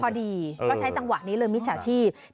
พอดีเขาใช้จังหวะนี้เลยมิจฉาชีพ